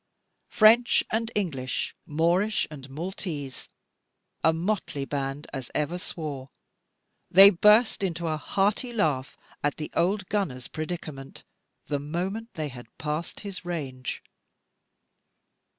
French and English, Moorish and Maltese, a motley band as ever swore, they burst into a hearty laugh at the old gunner's predicament, the moment they had passed his range.